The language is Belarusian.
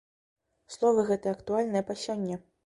Словы гэтыя актуальныя па сёння!